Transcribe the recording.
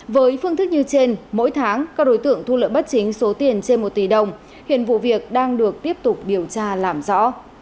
với phương thức như trên mỗi tháng các đối tượng thu lợi bất chính số tiền trên một tỷ đồng hiện vụ việc đang được tiếp tục điều tra làm rõ